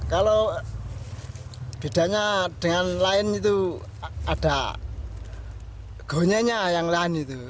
kalau bedanya dengan lain itu ada gonya yang lain itu